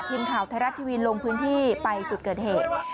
ทีมข่าวไทยรัฐทีวีลงพื้นที่ไปจุดเกิดเหตุ